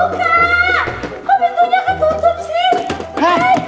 kok bentuknya ketutup sih